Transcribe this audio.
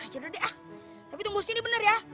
yaudah deh tapi tunggu di sini bener ya